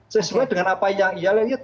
sesuai dengan apa yang ia lihat